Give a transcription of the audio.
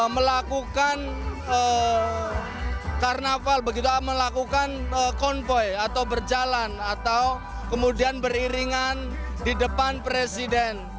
melakukan karnaval begitu melakukan konvoy atau berjalan atau kemudian beriringan di depan presiden